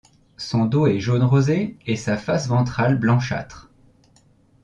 Son dos est jaune rosé et sa face ventrale blanchâtre.